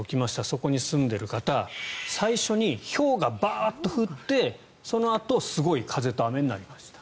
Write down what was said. そこに住んでいる方最初にひょうがバーッと降って、そのあとすごい風と雨になりました。